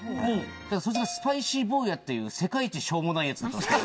ただそいつがスパイシー坊やっていう世界一しょうもないヤツだったんですけど。